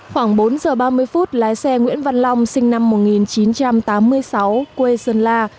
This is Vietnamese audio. khoảng bốn giờ ba mươi phút lái xe nguyễn văn long sinh năm một nghìn chín trăm tám mươi sáu quê sơn la